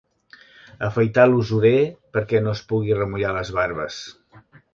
Afaitar l'usurer perquè no es pugui remullar les barbes.